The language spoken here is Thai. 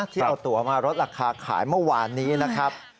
ที่เอาตัวมาลดราคาขายเมื่อวานนี้นะครับ